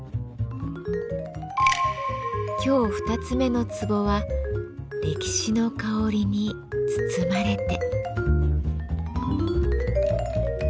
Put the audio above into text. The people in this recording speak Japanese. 今日２つ目の壺は「歴史の香りに包まれて」。